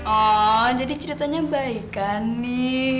oh jadi ceritanya baik kan nih